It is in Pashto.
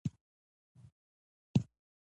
نورو استادانو بحث ورسره نه سو کولاى.